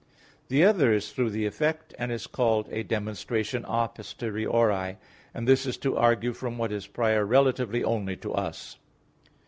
The other is through the effect, and is called a demonstration a posteriori; this is to argue from what is prior relatively only to us.